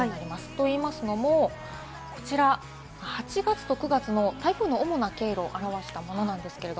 といいますのも、８月と９月の台風の主な経路を表したものです。